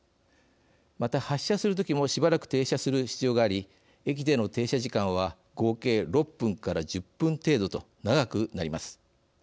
また発車する時もしばらく停車する必要があり駅での停車時間は合計６分から１０分程度と長くなります。